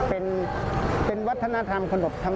เป็นวัฒนธรรม